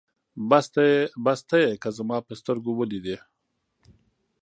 بس ته يې که زما په سترګو وليدې